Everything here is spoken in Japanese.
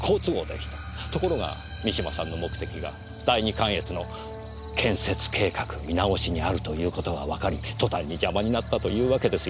ところが三島さんの目的が第二関越の建設計画見直しにあるということがわかり途端に邪魔になったというわけですよ。